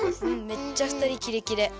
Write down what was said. めっちゃふたりキレキレ。